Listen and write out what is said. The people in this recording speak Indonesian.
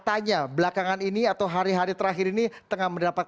al quran surah al jalamah